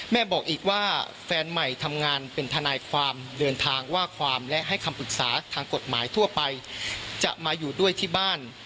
บอกอีกว่าแฟนใหม่ทำงานเป็นทนายความเดินทางว่าความและให้คำปรึกษาทางกฎหมายทั่วไปจะมาอยู่ด้วยที่บ้าน